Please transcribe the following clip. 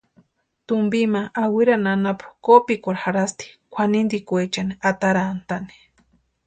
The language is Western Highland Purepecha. Tumpi ma Ahuirani anapu kopikwarhu jarhasti kwʼanintikwechani atarantʼaani.